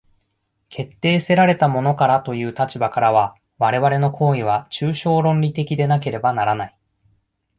決定せられたものからという立場からは、我々の行為は抽象論理的でなければならない。